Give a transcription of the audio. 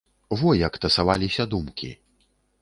Во як тасаваліся думкі!